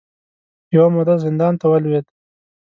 یوه موده زندان ته ولوېد